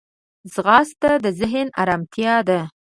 ځغاسته د ذهن ارمتیا ده